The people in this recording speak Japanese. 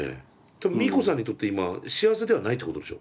多分ミーコさんにとって今幸せではないってことでしょ？